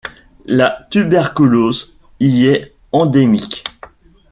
La tuberculose y est endémique.